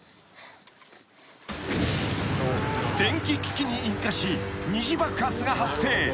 ［電気機器に引火し二次爆発が発生］